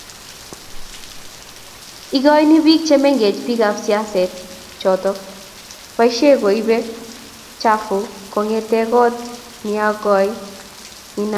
igoni biik chemengech biikap siaset choto boishet koibe tmchafuk kongete koot niagoi ninage